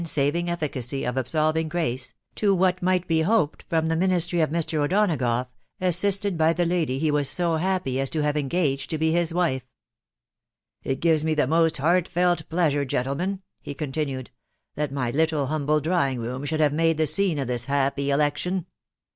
saving effi cacy of absolving grace, to what might be hoped fan, the ministry of Mr. O'Donagough, assisted by the lady he was m happy as to have engaged to be bis wife. " It gives me the most heartfelt pleasure, gentlenuaVT he continued, " that my little humble drawingt voom should have been* made the scene of this happy election.